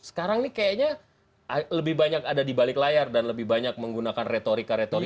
sekarang nih kayaknya lebih banyak ada di balik layar dan lebih banyak menggunakan retorika retorika